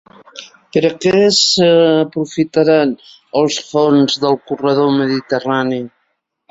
Per a què s'aprofitaran els fons del corredor mediterrani?